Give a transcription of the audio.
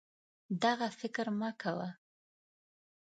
دغه فکر مه کوه